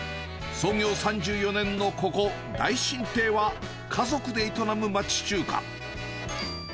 創業３４年のここ、大進亭は、家族で営む町中華。